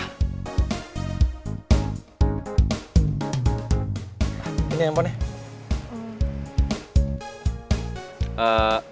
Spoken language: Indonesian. ini yang handphonenya